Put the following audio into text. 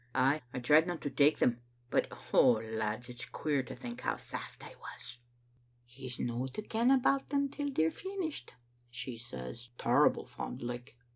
Ay, I tried no to take them, but — Oh, lads, it's queer to think how saft I was. "*He's no to ken about them till they're finished, ' she says, terrible fond like.